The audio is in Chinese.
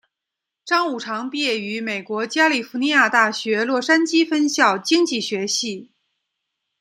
张五常毕业于美国加利福尼亚大学洛杉矶分校经济学系。